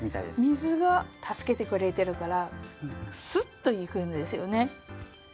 水が助けてくれてるからすっといくんですよね。